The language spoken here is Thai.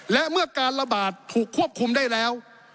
และเมื่อการระบาดถูกควบคุมได้แล้ว